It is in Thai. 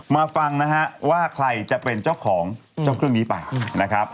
ฟังนะฮะว่าใครจะเป็นเจ้าของเจ้าเครื่องนี้ไปนะครับ